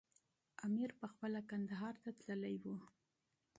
امیر پخپله کندهار ته حرکت کړی وو.